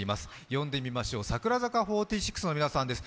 呼んでみましょう、櫻坂４６の皆さんです。